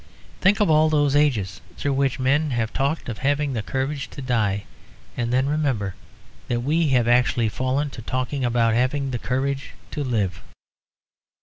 Think of all those ages through which men have talked of having the courage to die. And then remember that we have actually fallen to talking about having the courage to live.